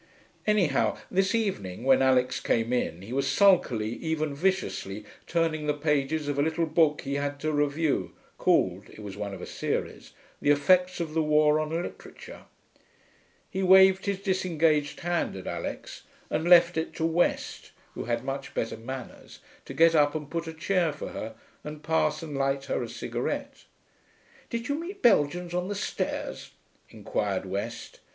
Anyhow, this evening, when Alix came in, he was sulkily, even viciously, turning the pages of a little book he had to review, called (it was one of a series) The Effects of the War on Literature. He waved his disengaged hand at Alix, and left it to West, who had much better manners, to get up and put a chair for her and pass and light her a cigarette. 'Did you meet Belgians on the stairs?' inquired West.